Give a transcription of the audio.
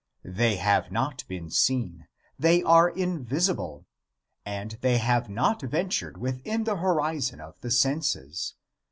They have not been seen they are invisible and they have not ventured within the horizon of the senses.